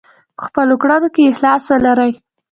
په خپلو کړنو کې اخلاص ولرئ.